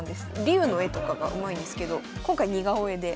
竜の絵とかがうまいんですけど今回似顔絵で。